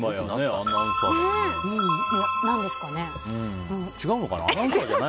アナウンサーです！